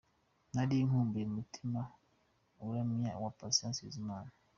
Nari nkumbuye umutima uramya wa Patient Bizimana.